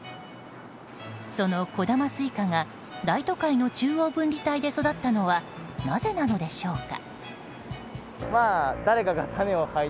その小玉スイカが大都会の中央分離帯で育ったのはなぜなのでしょうか。